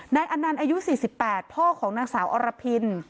อนันต์อายุ๔๘พ่อของนางสาวอรพิน